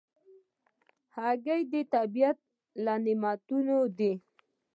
هګۍ د طبیعت له نعمتونو ده.